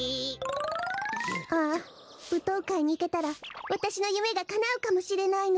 ああぶとうかいにでたらわたしのゆめがかなうかもしれないのに。